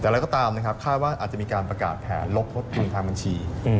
แล้วก็ตามภาพว่างอาจมีการประกาศแทนลบทดทุนทางบัญชี